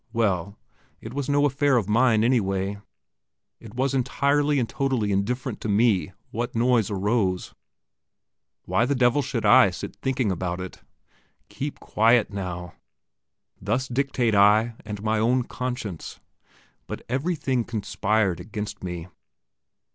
Well, it was no affair of mine anyway; it was entirely and totally indifferent to me what noise arose. Why the devil should I sit thinking about it? Keep quiet now! "Thus dictate I and my own conscience...." But everything conspired against me.